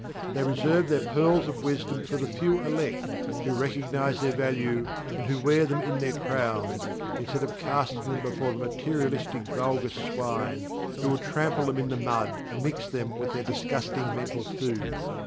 They reserve their pearls of wisdom for the few elect, who recognize their value and who wear them in their crowns, instead of casting them before the materialistic vulgar swine, who would trample them in the mud and mix them with their disgusting mental food.